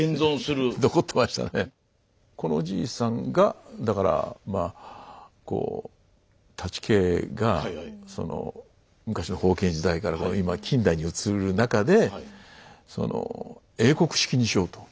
このじいさんがだからまあこう舘家がその昔の封建時代から今近代に移る中でその英国式にしようと。